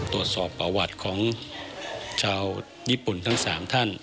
ตรวจสอบประวัติของชาวญี่ปุ่นทั้ง๓ท่าน